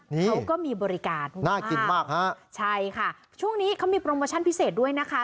เขาก็มีบริการน่ากินมากฮะใช่ค่ะช่วงนี้เขามีโปรโมชั่นพิเศษด้วยนะคะ